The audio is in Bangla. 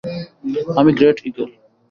আমি গ্রেট ঈগল।